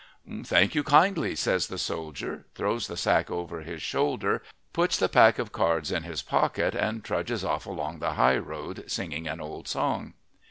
"Thank you kindly," says the soldier, throws the sack over his shoulder, puts the pack of cards in his pocket, and trudges off along the high road singing an old song.